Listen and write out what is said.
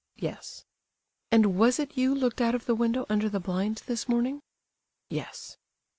"Yes." "And was it you looked out of the window under the blind this morning?" "Yes."